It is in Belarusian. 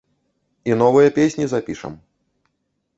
І новыя песні запішам.